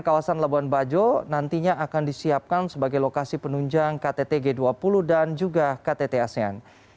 kawasan labuan bajo nantinya akan disiapkan sebagai lokasi penunjang ktt g dua puluh dan juga ktt asean